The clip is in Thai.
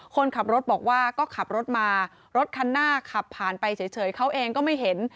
คนขับรถบอกว่าก็ขับรถมารถคันหน้าขับผ่านไปเฉยเขาเองก็ไม่เห็น